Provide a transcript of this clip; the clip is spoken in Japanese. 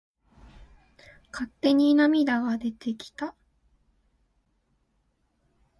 勝手に涙が出てきた。